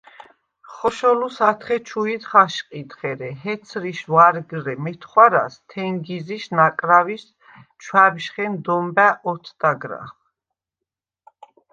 ხოშოლუს ათხე ჩუიდ ხაშყიდხ, ერე ჰეცრიშ ვარგრე მეთხვარას თენგიზიშ ნაკრავიშ ჩვა̈ბშხენ დომბა̈ ოთდაგრახ.